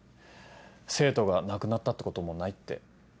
生徒が亡くなったってこともないって。